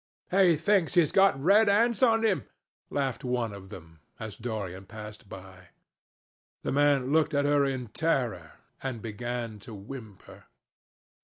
"He thinks he's got red ants on him," laughed one of them, as Dorian passed by. The man looked at her in terror and began to whimper.